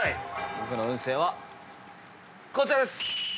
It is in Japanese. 僕の運勢はこちらです！